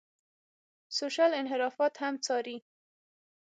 سوشل انحرافات هم څاري.